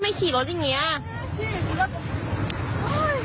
แล้วคนที่ลดลงไปอยากขายรถ